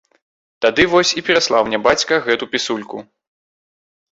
Тады вось і пераслаў мне бацька гэту пісульку.